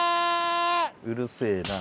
うるせえな。